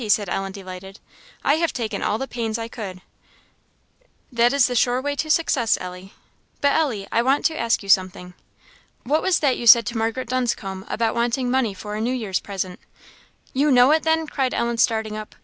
said Ellen delighted. "I have taken all the pains I could." "That is the sure way to success, Ellie. But, Ellie, I want to ask you something. What was that you said to Margaret Dunscombe about wanting money for a New Year's present?" "You know it, then!" cried Ellen, starting up.